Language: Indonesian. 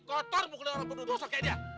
kotor bukannya orang bodoh dosa kayak dia